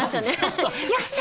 「よっしゃ！」